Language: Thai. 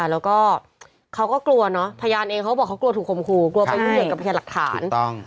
เพราะว่าเขาก็กลัวเนาะพยานเองเขาบอกเขากลัวถูกคมคูกลัวไปยืนอย่างกับที่หลักฐาน